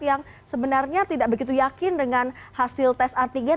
yang sebenarnya tidak begitu yakin dengan hasil tes antigen